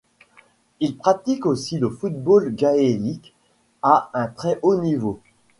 Il pratique aussi le football gaélique à un très haut niveau.